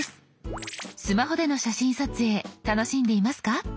スマホでの写真撮影楽しんでいますか？